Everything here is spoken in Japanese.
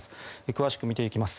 詳しく見ていきます。